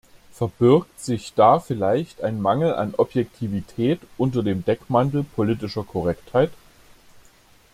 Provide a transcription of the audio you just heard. Verbirgt sich da vielleicht ein Mangel an Objektivität unter dem Deckmantel politischer Korrektheit?